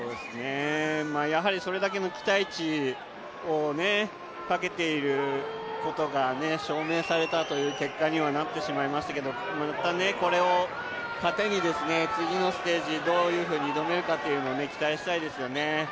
やはりそれだけの期待値をかけていることが証明されたという結果にはなってしまいましたけどまたこれを糧に、次のステージ、どういうふうに挑めるかに期待したいと思いますね。